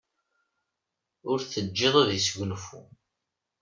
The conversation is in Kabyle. Ur t-teǧǧi ad yesgunfu.